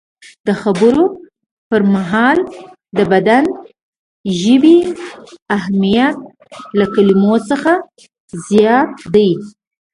د خبرو پر مهال د بدن ژبې اهمیت له کلمو څخه زیات دی.